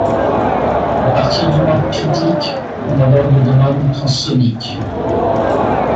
À partir du Mach critique, on aborde le domaine transsonique.